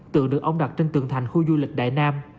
tượng được ông đặt trên tường thành khu du lịch đại nam